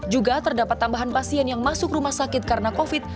juga terdapat tambahan pasien yang masuk rumah sakit karena covid